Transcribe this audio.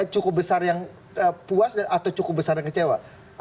cukup besar yang puas atau cukup besar dan kecewa